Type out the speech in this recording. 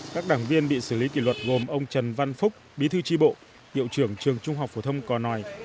các đảng viên bị xử lý kỷ luật gồm ông trần văn phúc bí thư tri bộ hiệu trưởng trường trung học phổ thông cò nòi